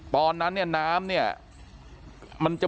พี่บูรำนี้ลงมาแล้ว